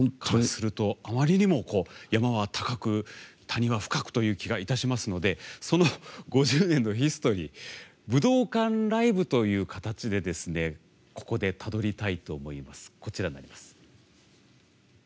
あまりにも山は高く谷は深くという気がいたしますのでその５０年のヒストリー武道館ライブという形でここでたどりたいと思います。